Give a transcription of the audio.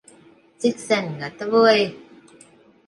Cik sen gatavoji?